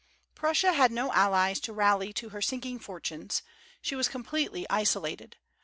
Prussia had no allies to rally to her sinking fortunes; she was completely isolated.